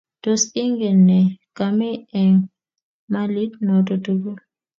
tos ingen ne kami eng' melit noton tugul?